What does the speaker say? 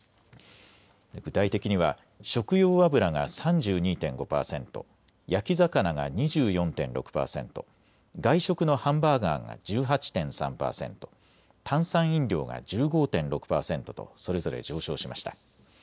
具体的には食用油が３２．５％、焼き魚が２４．６％、外食のハンバーガーが１８．３％、炭酸飲料が１５．６％とそれぞれ上昇しました。